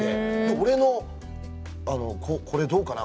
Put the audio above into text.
俺の、これどうかな？